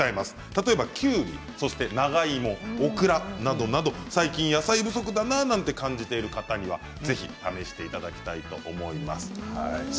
例えば、きゅうり、長芋オクラなどなど最近野菜不足だなと感じている方にはぜひ試していただきたいと思います。